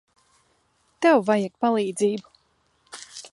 Tev vajag palīdzību.